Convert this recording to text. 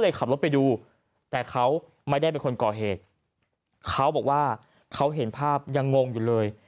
เลยขับรถไปดูแต่เขาไม่ได้เป็นคนก่อเหตุเขาบอกว่าเขาเห็นภาพยังงงอยู่เลย